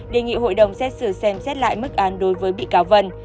đề nghị hội đồng xét xử xem xét lại mức án đối với bị cáo vân